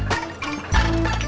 mami kenapa kerasa lagi